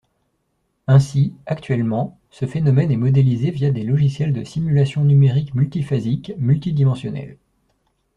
Ainsi, actuellement, ce phénomène est modélisé via des logiciels de simulation numérique multiphasique, multidimensionnelle.